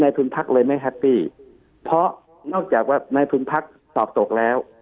นายทุนพรรคเลยไม่แฮปปี้เพราะนอกจากว่านายทุนพรรคตอบตกแล้ว